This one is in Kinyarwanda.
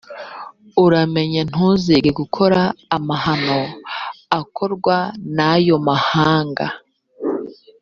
uramenye ntuzige gukora amahano akorwa n’ayo mahanga.